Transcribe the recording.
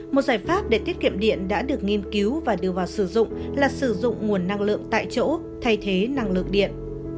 một giải pháp để tiết kiệm điện đã được nghiên cứu và đưa vào sử dụng là sử dụng nguồn năng lượng tại chỗ thay thế năng lượng điện